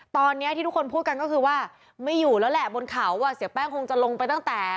ตอนนี้ที่ทุกคนพูดกันก็คือว่าไม่อยู่แล้วแหละบนเขาอ่ะเสียแป้งคงจะลงไปตั้งแต่